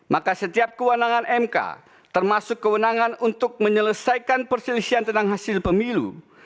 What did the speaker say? maka setiap kewenangan mk termasuk kewenangan untuk menyelesaikan perselisihan tentang hasil pemilu